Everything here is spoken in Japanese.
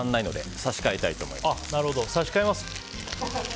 差し替えます。